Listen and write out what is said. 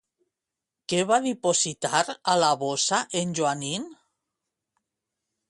Què va dipositar a la bossa en Joanín?